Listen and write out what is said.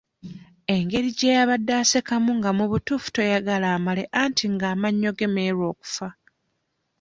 Engeri gye yabadde asekamu nga mu butuufu toyagala amale anti ng'amannyo ge meeru okufa.